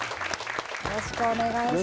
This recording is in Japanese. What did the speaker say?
よろしくお願いします